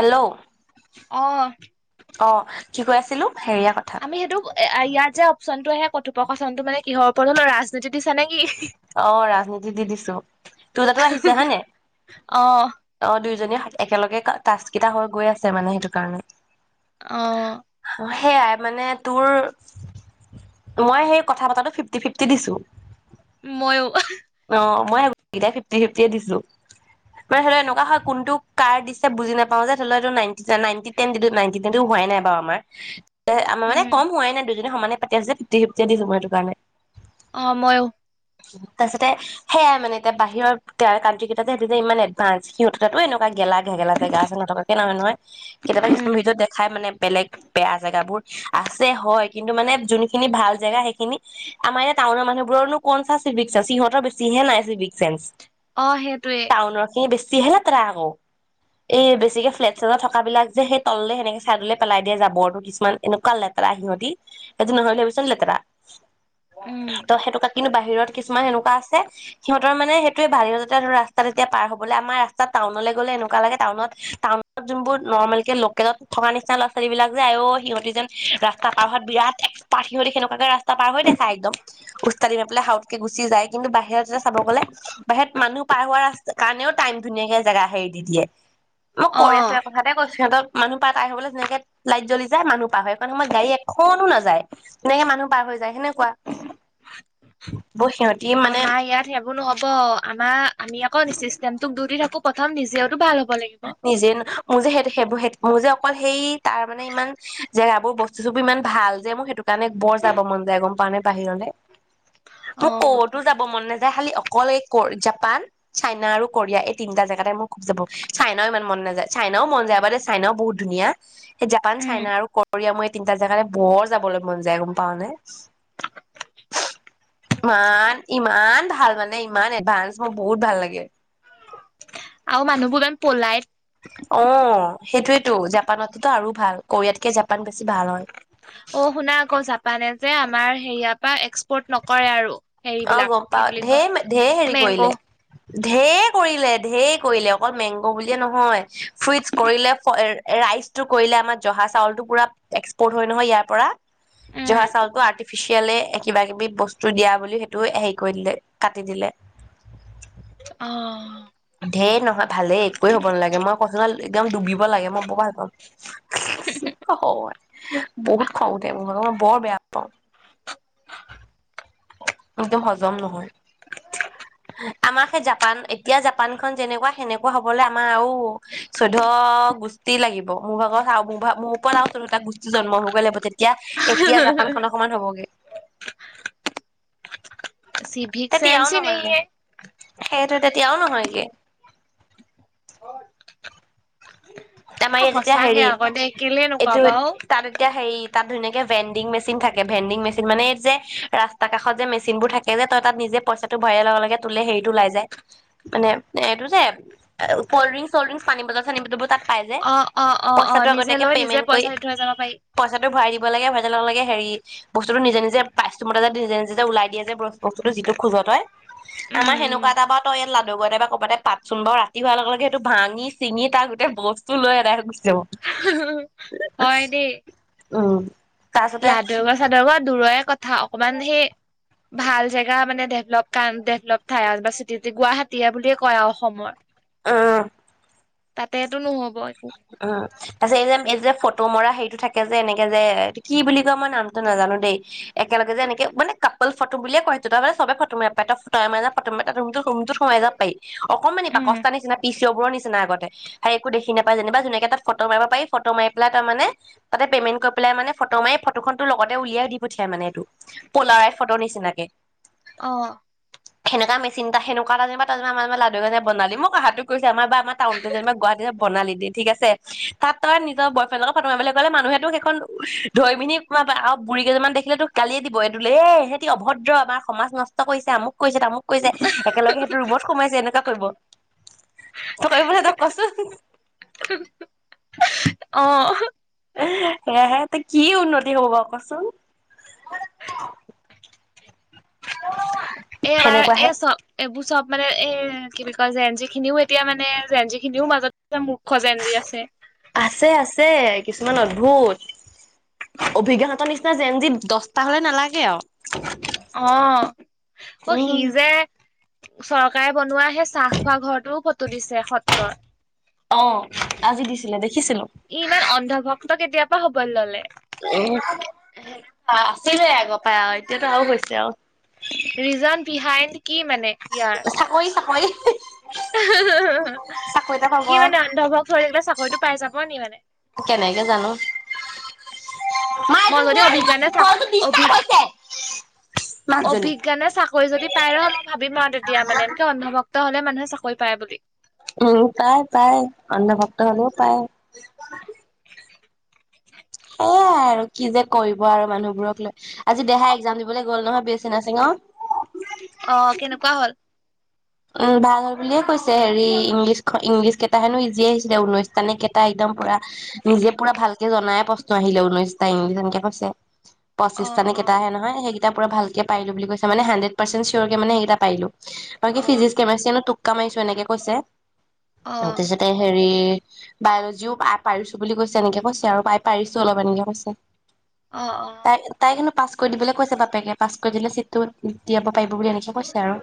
Hello অ অ কি কৈ আছিলো হেৰিয়া কথা আমি সেইটোক এ ইয়াত যে অপশচনটো আহে কথোপকথনটো মানে কিহৰ ওপৰত হলো ৰাজনীতি দিছা নে কি অ ৰাজনীতি দি দিছো। তোৰজাতো আহিছে হয় নে অ অ দুইজনী একেলগে তচকেইটা হৈ গৈ আছে মানে সেইটো কাৰণে অ সেয়াই মানে তোৰ মই সেই কথা পতটো ফিফটি ফিফটি দিছো মইয়ো অহ মইেইাই ফিফটি ফিফট দিছো মানে ধৰি লও এনেকুৱা হয় কোনটো কাৰ দিছে বুজি নাপাওওঁ যে ধৰি লওটো ন নটি টেন দি নাইনটি টনটো হোৱাই নাইাৰু আমাৰ আমাৰ মানে উম কম হোৱাই নাই দুজন সমানে পাতিাই আছে যে পুি সিপটিয় দিছো সেইটো কাৰণে অ ময়ো উ তাৰপিছতে সোইানেতিয়া বাহৰ ত কানট্ৰ ককেইটা যে সহতি যে ই এভান্স সিহততে তাতো এনেকুৱা গেলা ঘেগেলা জেগা আছে নথকাকে নহয় নহয় কেতিয়াবা উম কিছুমান ভিতৰত দেখাই মানে বেলেগ বেয়া জেগাাবোৰ আছে হয় কিন্তু মানে যোনখিনি ভাল জেগা সেইখিনি আমাৰ ইয়া টাউনৰ মানুহবোৰৰনো ক চা সিহঁতৰ বেছি হে নাইছে বিগ চেন্স অ সেইটোৱে যিহে লেতেৰা আকৌ এই বেছিকে ফ্লেট চত থকা বিলাক যে সেই তললে সেনেকে চাইডলৈ পেলাই দিয়ে জাবৰটো কিছুমান এনেকুৱা লেতেৰা সিহঁতি সেইটো নহয়লে ভাবিছ লেতেৰা উম ত' সেইটকা কিন্তু বাহিৰত। কিছুমান এনেকুৱা আছে সিহঁৰ মানে সেইটোৱ বাহিৰতে ৰাস্তাত এতিয়া পাৰ হবলে আমাৰ ৰাস্তাত টাউনলৈ গ'লে এনেকুৱা লাগে টাউনত টাউনত যোনবোৰ নৰ্মেল কে লোকেলত থকা নিচিনা ল'ৰা ছোৱালী বিলাক যে আ সিহঁতি যেন ৰাস্তা পাৰ হ বিৰাট এক্সপাৰ্ট সিহঁ সেনেুৱাকে ৰাস্ত পাৰ দেখা একদম উচকা়ি নেেলাই হাউ গুচি যায় কিন্তু বাহিৰতে চাব গ'লে বাহিৰত মানুহ পাৰ হোৱা ৰাস্ত কাৰণেও টাইম ধুনীয়াকে জেগা হেৰি দি দিয়ে মই অ কৰি আছো এ কথাতে কৈছোঁ সিহত মানুহ পাৰ তাৰ হবলৈ যেনেকে লাইট জ্বলি যায় মানুহ পাৰ হয় সেই কাৰণে সমাৰ গাড়ী এখনো নাযায় তেনেকে মানুহ পাৰ হৈ যায় সেনেকুৱা ব সিহঁতি মানে আমাৰ ইয়াত সবোৰ নহব আমাৰ আমি ক'ত ষ্টেম তোক দৌৰি থাকো প্ৰথম নিজে আৰু ভাল হ'ব লাগিব নিজে মোৰ যেহে সেইবোৰহে। মোৰ যে অকল সেই তাৰ মানে ইমান জেগাবোৰ বস্তু চোৰ ইমান ভাল যে মোৰ সেইটো কাৰণে বৰ যাব মন যায় গম পা নে বাহিৰলৈ অ মোৰ ক'তো যাব মন নাযায়। খালি অকল এই জাপান চাইনা আৰু কোৰিয়া এই তিনটা জেগাতে মই খুব যাব চাইনাও ইমান মন নাযায় চাইনাও মন যায় আব দে চাইনাও বহুত ধুনীয়া জাপান উম চাইনা আৰু কয় মই তিনিটা জেগাে বৰ যাব লাগিব মন যায় গম পাও ন ইমান ইমান ভাল মানে ইমান এডভানস মোৰ বহুত ভাল লাগে আ মানুহবোৰ পলাই টো জাপানততো আৰু ভাল কোৰিয়াতকে জাপান বেছি ভাল হয় অ শুনা আকৌ জাপানে যে আমাৰ হেৰিয়াৰ পৰা এক্সপৰ্ট নকৰে আৰু। অ হেৰিবিলাক গম কি পাও বুলি কয় ঢেৰ ঢেৰ হেৰি মেংগ' কৰিলে। ঢেৰ কৰিলে ঢেৰ কৰিলে। অকল মেংগ বুলিয়ে নহয় ফ্ৰুইটচ কৰিলে। ৰাইচটো কৰিলে আমাৰ জহা চাউল টো পুৰা এক্সপৰ্ট হয় নহয়। ইয়াৰ পৰা উম জহা চাউলতটো আৰ্টিফিচিয়েলে কিবা কিবি বস্তু দিয়া বুলিেই। দু হেৰি কৰি দিলে কাটি দিলে। অ'হ ধেৰ নহয় ভালেই একোৱে হব নালাগে মই কচাল একদম ডুবিব লাগে। মই ব ভাল পাওঁ হয় বহুত খং উঠে মোৰ। বৰ বেয়া পাওঁ। একদম হজম নহয়। আমাৰ সেই জাপান এতিয়া জাপান খন যেনেকুৱা সেনেকুৱা হবলৈ আমাৰ আৰু চৈধ্য গোষ্ঠী লাগিব। মোৰ ভাগত আৰু মোৰাগ মোৰ ওপৰত আৰু চৈধ্যয়টা গোষ্ঠী জন্ম হবগৈ লাগিব তে। এতিয়া এতিয়া জাপান খ অ সমমান হ'বগে। ভিক চেন তেতিয়াও চি ন নহয়গে হে। সেইটো তেতিয়াও নহয়গে। আমাৰ অ ইয়াত এতিয়া সঁচাকে হেৰি আকৌ দেই কেলে এইটো নোকোৱাবা অ তাত এতিয়া হেৰি। তাত ধুনীয়াকে ভেণ্ডিং মেচিন থাকে ভেণ্ডিং মেচিন মানে এই যে ৰাস্তা কাষত যে মেচিনবোৰ থাকে। যে তই তাত নিজে পইচাটো ভৰাইাৰ লগে লগে তোলে হেৰি ওলাই যায়। মানে এইটো যে কল্ড ড্ৰিং চলড্ৰিংক পানী বটল চানী বটলবোৰ তাত। পাই যে অ অ অ অ পইচাটো নিজে আগতীয়াকে লৈ নিজে পেমেন্ট কৰি পইচা দি থৈ যাব পাৰি পইচাটো ভৰাই দিব লাগে ভৰাই লগ লাগে। হেৰি বস্তুটো নিজে নিজে পাইমতে য নিজে নিজে যে ওলাই দিয়ে যে বস্তুতটো যিটো খোজ হয়। আমাৰ উম সেনেকুৱা এটা বা তইয় লাভ। লগতে বা ক'বাততে পাত চচোন ব বা ৰাতি হুৱোৱাৰ লগে সেইটো ভাঙিঙি তাৰ গোট বস্তু। তো লৈ এৰাাই গুচ যাব। হু হয়, দেই অ'হ। লাডৰা চাদৰ দূৰৰে কথা। অকমান সেই ভাল জেগা মানে ডেভলপ ক ডেভলপ থাই আৰু চিট গুৱাহাটীয়ে বুলিয়ে কয় অসমৰ। অ'হ। তাতেতটো নহ'ব। উম তাৰপিছত এই যে এই যে। ফটো মৰা হেটো থাকে যে এনেকে যে কি বুলি কয় মই নামটো নাজানো দেই। একেলগে যে এনেকে মানে কাপাল ফটো বুলিয়ে কয়টোো তাৰ মানে চবে ফটো মৰা। প ফুট মাই য মো সোমাই য পি অকমানি উম বাকচ নিচি পিয়চৌবোৰৰ নিচিনা আগতে। সেই একো দেখি নাপে। যেনা যেুনেকে তাত ফটো মাৰিব পাৰি। ফ মি পেলাই তাৰ মানে ততে পেমেণ্ট কৰি পাই মান ফটো মাৰি ফটোখনন টো লগতে উলিয়াই দি পঠিয়াই। মানে পলাাৰাই ফটো নিচিনা। এক। অ'হ সেনেকা মেচিন এটা সেনেকুৱা যেনিব আমাৰ তয় লাডু বনালি মই ক সাধু কৈছো। আমাৰ বা আম টাউনতে যেনেবা গুৱাহাটী। বণালী দি ঠিক আছে। তাত তই নিজৰ বয় ফ্ৰেণ্ডৰ ফটো মিবলৈ গ'লে মানুহেতোক সেইখন ধৈ মিনি বুঢী কেইজনমান দেখিলেত তোক কালিয়ে দিব। এই দোুলেই সহতি অভদ্ৰ আমাৰ সমাজ নষ্ট কৰিছে আমাক। কৈছে তামু কৈছে একেলগে সেইটো ৰুবত সোমাইছে এনেকুৱা। কৰিব। তই কৰিব ত কছোন। অক্হ সেয়হে ত কি উন্নতি হ'ব বাৰু কচোন এ সেনেকুৱাহে এ চব এইবোৰ চব মানে এ কি বুলি কয় জেঞজি খিনিও এতিয়া মানে জেঞজি খিনিও মাজত। এই মূৰ্খ যে যৌন আছে? ছে কিছুমান অদ্ভুত অভিজ্ঞান হতৰ নিচিনা যেনজি দশটা হলে নালাগে আৰু অ অ সি উম যে চৰকাৰে বনোৱা সে চাহ খোৱা ঘৰটোও ফটো দিছে সত্ৰৰ অ আজি দিছিলে দেখিছিলো ই ইমান অন্ধভক্ত কেতিয়াৰ পৰা হ'বলৈ ললে। উ আছিলে আগৰ পৰাই আৰু এতিয়াতো আৰু হৈছে আৰু ৰিজন বিহাইণ্ড কি মানে? ইয়াৰ চাকৰি চাকৰি চাকৰি এটা পাব কি মানে আৰু অন্ধভ হৈ থাকিলে চাকৰিতটো পাই যাব মনি মানে। কেনেকে জানো মা মই এইটো যদি নিয়া অভিজ্ঞানে আহিব চ কলটো অভি ডিষ্টাৰ্ব হৈছে মানুহজনী। অভিজ্ঞানে চাকৰি যদি পাই ৰ মই ভাবিম আৰু তেতিয়া মানে এনেকে অন্ধকাৰ তে হ'লে মানুহে চাকৰি পায় বুলি। উম পাই পায় অন্ধ ভক্ত হলেও পায়। সেইয়াই আৰু কি যে কৰিব আৰু মানুহবোৰক লৈ আজি দেহাই এক্সজাম দিবলৈ গ'ল নহয় বেচি নাচিং অ। অ কেনেকুৱা হ'ল। উম ভাল হল বুলিয়ে কৈছে হেৰি ইংলিছ ইংলিছ কেইটা হেনো ইজিয় আহিছিলে ঊনৈশটাানে কেইটা একদম পুৰা নিজে পুৰা ভালকে জনাই প্ৰশ্ন আহিলে ঊনৈশটা ইংলিছ এনেকে কৈছে অ' পচিছ্তানে কেইটাহে আহে নহয় সেই এটা পৰা ভালকে পিলো বুলি কৈছে মে হাণ্ডেড পাৰ্চেট চিয়ৰ কে মানেইটা পাইলো হয় কি অ' ফিজিক্ কেমেষ্ট্ৰ কামাইছো এনেকে কৈছে অ তেছ ত হ বায়লজিও পাই পাৰিছো বুলি কৈছে এনেকে কৈছে আৰু পাই পাৰিছো অলপ এনেকে কৈছে অ' অ'। তাই তাই কিন্তু পাছ কৰি দিবলৈ কৈছে বাপেকে পাচক দিলে ছিটটো দিয়াব পাৰিব বুলি এনেকে কৈছে আৰু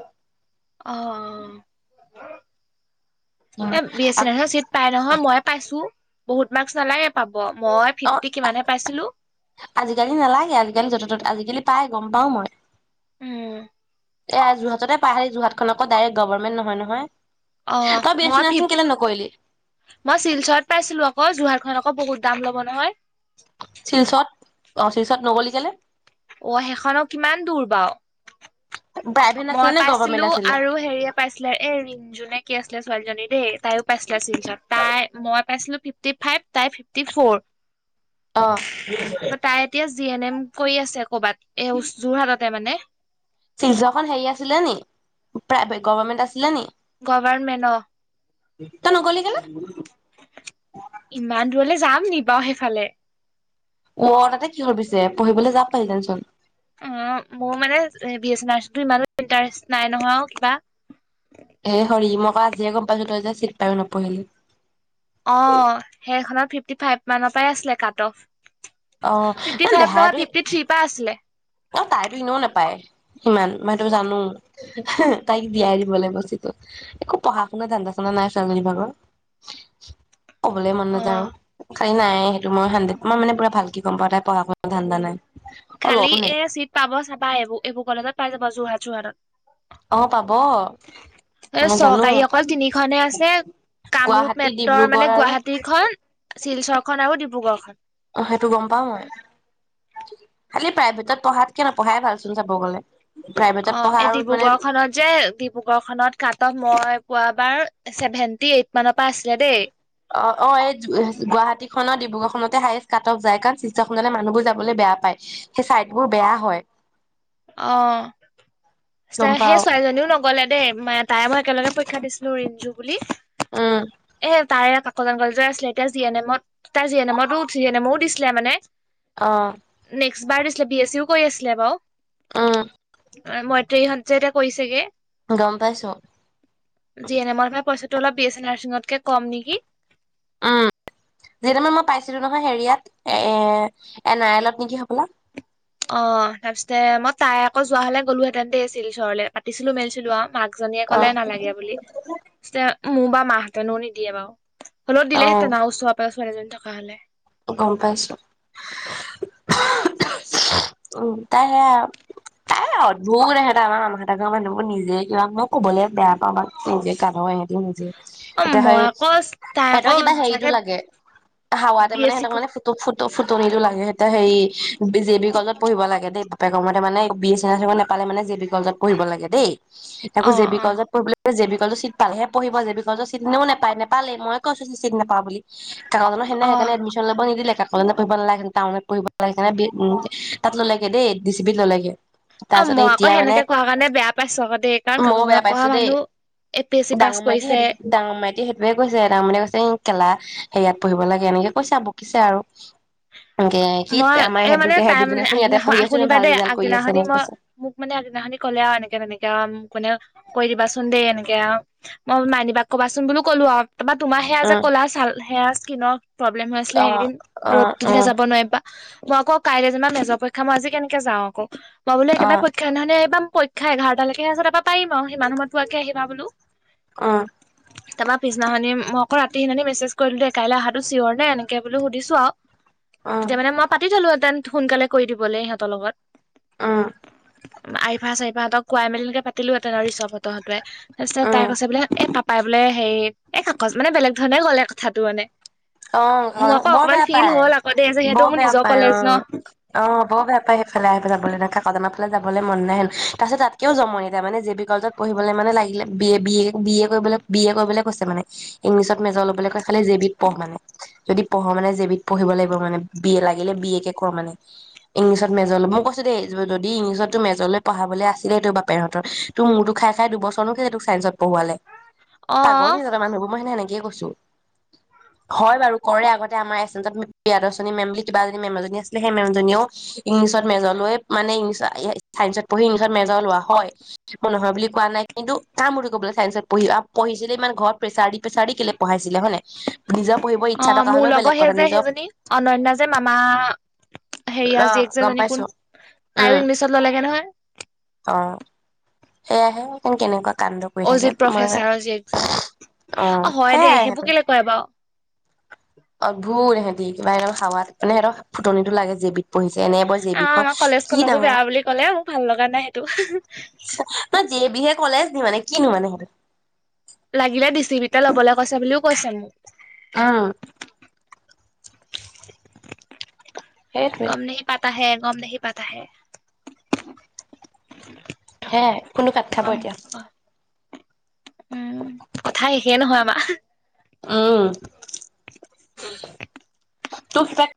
আহ অ এ বি এছ চি ন নয় চিট পাই নহয় মই পাইছো বহুত মাৰ্কস নালাগে। পাব মই অ ফিফটি কিমানে পাইছিলো আজিকালি নালাগে আজিকালি য'ত ত'ত আজিকালি পাই গম পাও মই উম। এয়া যোৰহাটতে পাহাৰি যোৰহাট খন আকৌ ডাইৰেক্ট গভমেণ্ট নহয় ন হ অ মই মই শিলচৰত পাইছিলো আকৌ যোৰহাৰখন কপ কুত দাম ল'ব নহয়। শিলচৰত অ শিলচৰত নগলি কেলে। অ সেইখনক কিমান দূৰ বাও প্ৰাইভেট আছিলে মই নে পাইছিলো গভৰ্ণমেণ্ট আছিলে? আৰু হেৰিয়ে পাইছিলে এ ৰিণ জোনে কি আছিলে ছোৱালীজনীত তে তাইও পাইছিলে চিলচত তাই মই পাইছিলো। Fifty five. তাই ফিফটি ফৰ অ' ত তাই এতিয়া জি এন এম কৰি আছে ক'বাত এই যোৰহাটত। তে মানে চিখন হেৰি আছিলে নি প্ৰাইভেট গভমেণ্ট আছিলে নি গভৰমেণ্ট অ ত নগ'লি কেলে উ দূৰলৈ যাম নি বাৰু সেইফালে অ তাতে কি ভিছে পঢ়িবলৈ যাম। পাৰ যান চোন। অ মোৰ মানে বি এছো ইমানো ইটাৰেষ্ট নাই নহয় কিবা। থিক তায়ো নপঢ়িলে অ সেইখনত ফ্ৰিপটি ফৰ্টি ফাইভ মানৰ পৰাই আছিলে কাট অফ অ' ন ফিফটি ফাইভ নহয় দেহাইতো ফিফটি থ্ৰ্ৰী পৰা আছিলে অ তাইতো ইনেও নাপায় ইমান মই তো জানো তাইক জীয়াই দিব লাগ বস্তুটো একো পঢ়া শুনা ধান্দা চানন্দা নাই ফেমেলি ভাগৰ ক'বলৈ মন অ নাযায়ো। তাই নাইয়ে মইে মই মানে পৰা ভালকে গম পাই পঢ় শুনা ধান্দা নাই মানে খালি এ চিট। পাব চাবা এইবোৰ এইবোৰ কলেজত পাই যাব জোৰহা চোৰহাৰত অ' পাব এ মই জানো চৰকাৰী অকল তিনি খনেহে আছে কামৰূপ গুৱাহাটী, মেট্ৰৰ ডিব্ৰুগড় মানে আৰু গুৱাহাটী খন শিলচৰখন আৰু ডিব্ৰুগড়খন অ সেইটো গম পাও মই খালি প্ৰাইভেটত পঢ়াতকে নপঢ়াই ভালচোন চাব গলে প্ৰাইভেটত অ পঢ়া এই আৰু মানে ডিব্ৰুগড় খনত যে ডিব্ৰুগড় খনত কাট মই পোৱা াৰ চছেভেন্টি এইট মানত অ অ এই গুৱাহাটী খত ডিব্ৰুগড়খনত হায় কাটক যায় কাৰণ চৃষ্ট সজে মানুহবোৰ যাবলৈ বেয়া পায় সেই ছাইটবোৰ বেয়া হয় অ গম সেই পাও ছোৱালীজনীও নক গ'লে দেই ম তাই মই একেলগে পৰীক্ষা দিছিলো ৰিঞ্জু বুলি উম এ তাই কাকজান কলেজৰ আছিলে এতিয়া জি এন এম তাই জি এন এমতো জি এন এম ও দিছিলে মানে অ নেক্সট বাৰ দিছিলে বি এছ চ ইও কৰি আছিলে বাৰু অ মইত্ৰ ইহঁত যে এতিয়া কৰিছেগে গম পাইছো যিয়নে মই পৰাায় পইচা তটো অলপ বি এছ চি নাৰছিঙতকে কম নেকি উম যিদিনা মই পাইছিলো নহয় হেৰিয়াত এ এ নাৰলত নেকি হবলা অ তাৰপিছতে মই তাই আকৌ যোৱা হলে গ'লোহেতেনতে আছিল ওচৰলে পাতিছিলো মেলিছিলো অ মাক একজনীয়ে অ ক'লে নালাগে বুলি মোৰ বা মাহঁতেনো নিদিয়ে বাৰু হলত অ দিলেঁতে ন ওোৱা থকা হলে হয় উ তাইে তাই অদ্ভুত আহে তাই আমাৰ মামহতে ঘৰ মানুহবোৰ নিজে কিবা মই কবলৈ বেয়া পাওঁ আমাক নিজে কানো আহে অ এতিয়া মই হয়েই আকৌ তাই পেটৰ আকৌ কিবা হেৰিতটো সঁচাকে লাগে হাৱাতে বি মানে এছ চি সিহঁতক মানে ফুটো ফুট ফুটনিো লাগে সতে হে বি জে বি গজত পঢ়িবাগ দেই বাপেকৰ মতে মানে বি এ এ নাপালে মানে জে বি কলেজতঢ়িব লাগে দেই তাকো অ অ জেৱিকজত পঢ় যে জেবিিকজ চিট পালেঢ়িব জেবিিকজ চিট ননেও নাপায় নাল মইয় কৈছো যে চট নাপা বুলি কাকজনৰ সদিনা সেইকাৰে এডমিশন লব নিদিলে কাক পঢ়িব নালাগে টাউনতঢ়িব নাগ সে উম চিবি নালাগে অ তাৰপিছতে মই আকৌ এতিয়া মানে সেনেকে কোৱা কাৰণে বেয়া পাইছো আকৌ দেই কাৰণ ময়ও বেয়া কাকজনত পঢ়া পাইছো দেই মানুহ এ পি এছ চি পাছ ডাঙৰ মাইটিয় কৰিছে সেইটো ডাঙৰ মাইটিয়ে সেইটোৱে কৈছে ডাঙৰ মাইীয়ে কৈছে কেেলা সেয়াত পঢ়িব লাগে এনেকে কৈছো বকিছে আৰু একে সীত মই আমাৰ এই মানে সেই সেই তাই দুদিনে মানে আগদিনাখন শুনিবা দেই আগদিনাখনি মই মোক মানে আগদিনাখনি ক'লে আৰু এনেকে তেনেকে মানে দিবাচোন দেই এনেকে মই মাইনিবাক কবাচোন বুলিও ক'লো আৰু তাৰ তোাৰ সেয়া যে উম, কলা চাল সেয়া কিনো প্ৰব্লেম হৈ আছিলে অ', সেইকদিন ৰ'দ অ', অ', দিনা অ', যাব নোৱাৰিবা। মই আকৌ কাইলৈ যে মেজৰ পৰক্ষা মই আজি কেনেকে যাওঁ আকৌ পাবলৈ একেবাৰে অ', পক্ষা দিনাখন আহি পাম। পৰক্ষা এঘাৰটালৈকে আছে তাৰ পৰা। পাৰিম আৰু সিমান সময়ত পোৱাকে আহিবা বোলো উম, তাৰপা পিছনাখনি মই আকৌ ৰাতি সিননানি মেছেজ কৰিলো দেই কাইলৈ আহহটো চিয়ৰ নে এনেকে বো সুধিছো আৰু তেতিয়া মই কাতি থলো অউ তেন সোনকালে কৰি দিব ল সিহঁতৰ লগত। অ আইফা চাৰিফাহঁত কাই মেলি এনেকে পালোহঁতেন ৰি ফতহতোৱে তাৰপিছ তাই উম, কৈছে বোলে এ পাপ পাই বোলে হে এই কাকজ মানে বেলেগ ধৰণে গ'লে কথাটো মানে মোৰ অ', আকৌ বৰ অকনমান বেয়া ফিল পায়। হল আকতে দে যে সিহ বৰ বেয়া পায় অ অ বৰ বেয়া পায় সেইফালে আহিফালে ব ন ক। যাবলৈ মন নাই হেন তাৰ পিছত তাতকেও জমনি তা মানে জে বি কলেজত পঢ়িবলৈ মানে লাগিলে এ এ বি এ কৰিবলৈ বি এ কৰিবলৈ কৈছে মানে ইংলিছত মেজৰ ল'বলৈ কৈ খালি জেবিত পঢ় মানে যদি পঢ়ো মানে জে বিধ পঢ়িব লাগিব মানে বি এ লাগিলে বি এ কে কৰ মানে ইংলিছত মেজৰ ল মই কৈছো দেই যদি ইংলিছত তোৰ মেজৰলৈ পঢ়াবলৈ আছিলে সেইটো বাপেহঁতৰ তোৰ মোৰতো খাই খাই দুবছৰ নোকৈ তোক চাইন্সত পোৱালে অ পাগল নিজাদা মানুহবোৰ মইে সেনেকে কি কৈছো। হয় বাৰু কৰে আগতে আমাৰ এ বিয়াদশনী মেম বুলি কিবাী মেম এী আছিলে সেই মেমীয়েও ইংলিছত মেজৰ লৈ মানে ইংলিছ ছাইন্সত পঢ়ি ইংলিছত মেজৰ লোৱা হয় মই নহয় বুলি কোৱা নাই কিন্তু কাম বুলি কোলে চাইন্সত পঢ়ি পঢ়িছিলে ইমান ঘৰত প্ৰেছাৰ দি প্ৰেছাৰ দি কেলে পঢ়াইছিলে হয় ননে অ মোৰ লগত সেই যে সেইজনী অন্যান্য যে মামা অ হেৰিয়া জীয়েক গম যেজনী কোন পাইছো তাইও উম ইংলিছত ল লগে নহয় সয়াহে কেনেকুৱা। কাণ্ড কৰি থাকে অজিত মানে প্ৰফেচাৰৰ যি একজনী অ হয় দেই সেইবোৰ কেলে কুৱয় বাৰু অল ভুৰ সিহঁতি কিবা সিঁৰ হাৱাত মানে সিহঁতৰ ফুতনি লাগে জেবিধ অ আমাৰ কলেজখনকো বেয়া বুলি কলে মোক ভাল লগা নাই নহয় জে সেইটো বিহে কলেজ মানে কিনো মানে সেইটো। লাগিলে দিছি ভতিয়া ল'বলৈ কৈছো বুলিও কৈছে মোক। অ সেইটোৱে কম ন পাতা হে গম দেহি পাতা আহে। হে ফনটো কাত খাব এতিয়া উম কথাইষেইে নহয় আমাৰ অহু অউম উম তোক